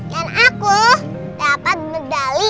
dan aku dapat medali ini